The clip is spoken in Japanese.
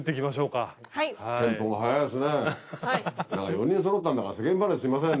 ４人そろったんだから世間話しません？